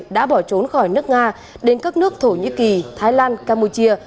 đã bỏ trốn khỏi nước nga đến các nước thổ nhĩ kỳ thái lan campuchia